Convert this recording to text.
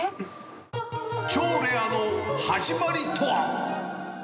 超レアの始まりとは。